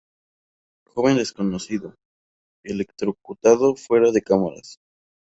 Joven desconocido: Electrocutado fuera de cámaras.